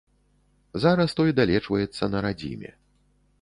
Зараз той далечваецца на радзіме.